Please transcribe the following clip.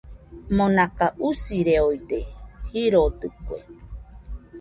Monaka usireode jirodɨkue.